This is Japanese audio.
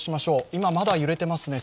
今、まだ揺れていますね。